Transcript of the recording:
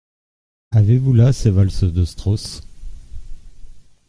Avez-vous là ces valses de Strauss ?